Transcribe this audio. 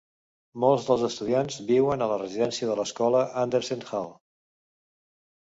Molts dels estudiants viuen a la residència de l'escola, Andersen Hall.